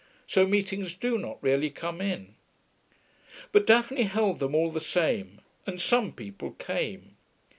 So meetings do not really come in. But Daphne held them, all the same, and some people came.